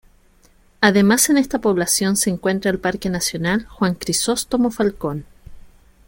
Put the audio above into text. Además en esta población se encuentra el Parque nacional Juan Crisóstomo Falcón.